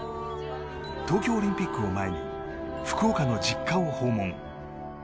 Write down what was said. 東京オリンピックを前に福岡の実家を訪問。